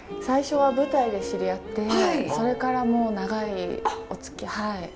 最初は舞台で知り合ってそれからもう長いおつきあい。